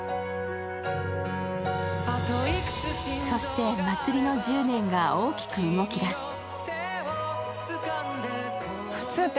そして、茉莉の１０年が大きく動き出す。